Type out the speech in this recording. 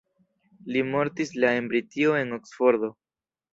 Li mortis la en Britio en Oksfordo.